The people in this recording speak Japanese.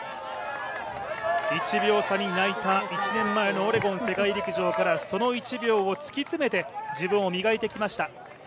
１秒差に泣いた１年前のオレゴン世界陸上からその１秒を突き詰めて、自分を磨いてきました。